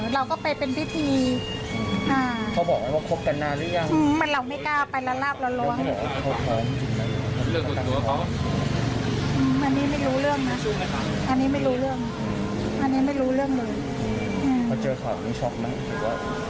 เราก็ไปเป็นพิธีเขาบอกว่าคบกันนานหรือยัง